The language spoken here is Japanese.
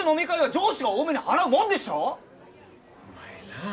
お前なあ。